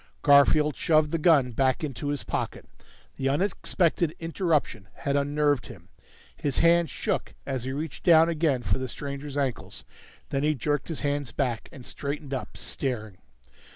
Garfield shoved the gun back into his pocket. The unexpected interruption had unnerved him; his hands shook as he reached down again for the stranger's ankles. Then he jerked his hands back, and straightened up, staring.